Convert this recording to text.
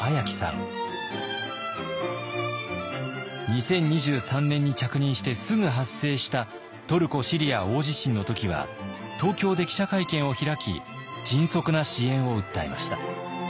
２０２３年に着任してすぐ発生したトルコ・シリア大地震の時は東京で記者会見を開き迅速な支援を訴えました。